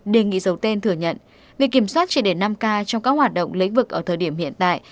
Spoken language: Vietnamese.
đề nghị giấu tên thừa nhận việc kiểm soát chỉ để năm k trong các hoạt động lĩnh vực ở thời điểm hiện tại